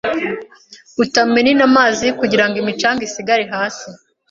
utaminina amazi kugira ngo imicanga isigare hasi